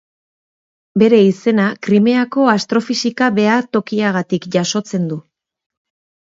Bere izena Krimeako Astrofisika Behatokiagatik jasotzen du.